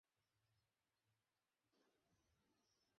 ওকে যেতে দিন, স্যার।